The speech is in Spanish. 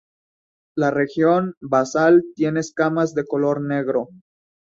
La región basal tiene escamas de color negro.